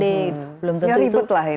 ya ribet lah ini